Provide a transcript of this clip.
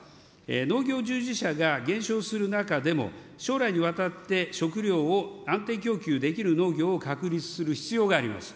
農業従事者が減少する中でも、将来にわたって食料を安定供給できる農業を確立する必要があります。